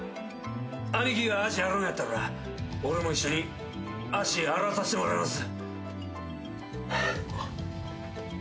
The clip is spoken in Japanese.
兄貴が足洗うんやったら俺も一緒に足洗わさしてもらいます。